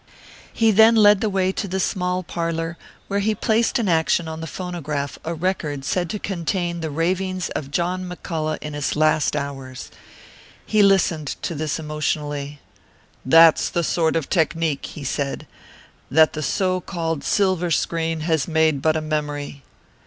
He then led the way to the small parlour where he placed in action on the phonograph a record said to contain the ravings of John McCullough in his last hours. He listened to this emotionally. "That's the sort of technique," he said, "that the so called silver screen has made but a memory."